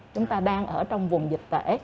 chúng ta đang ở trong vùng dịch tễ